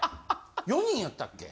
４人やったっけ？